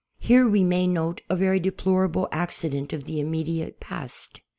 Here we may note a very deplorable accident of the immediate past.